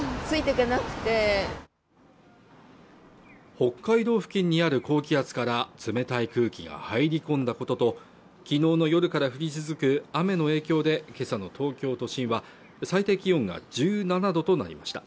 北海道付近にある高気圧から冷たい空気が入り込んだことと昨日の夜から降り続く雨の影響でけさの東京都心は最低気温が１７度となりました